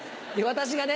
私がね